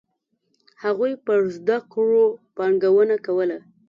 هغوی پر زده کړو پانګونه کوله.